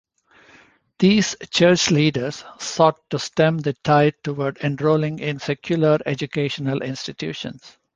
These church leaders sought to stem the tide toward enrolling in secular educational institutions.